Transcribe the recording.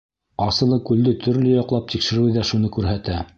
Асылыкүлде төрлө яҡлап тикшереү ҙә шуны күрһәтә.